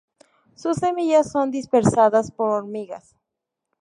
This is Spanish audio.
Sus semillas son dispersadas por hormigas.